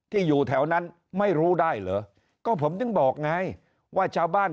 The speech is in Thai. อยู่แถวนั้นไม่รู้ได้เหรอก็ผมถึงบอกไงว่าชาวบ้าน